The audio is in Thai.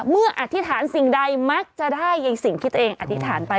อธิษฐานสิ่งใดมักจะได้ในสิ่งที่ตัวเองอธิษฐานไป